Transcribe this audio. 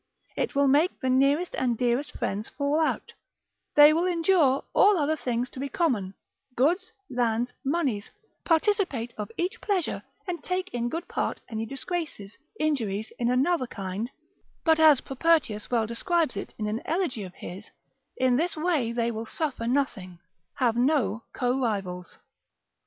It will make the nearest and dearest friends fall out; they will endure all other things to be common, goods, lands, moneys, participate of each pleasure, and take in good part any disgraces, injuries in another kind; but as Propertius well describes it in an elegy of his, in this they will suffer nothing, have no co rivals.